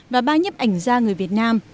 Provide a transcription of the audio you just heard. và ba nhếp ảnh gia người việt nam